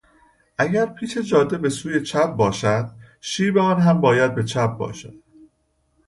اگر پیچ جاده به سوی چپ باشد، شیب آن هم باید به چپ باشد.